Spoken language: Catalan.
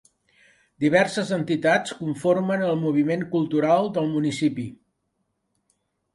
Diverses entitats conformen el moviment cultural del municipi.